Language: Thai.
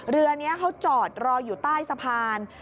เรือนี้เขาจอดรออยู่ใต้สะพาน